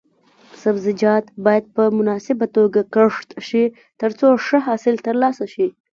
سبزیجات باید په مناسبه توګه کښت شي ترڅو ښه حاصل ترلاسه شي.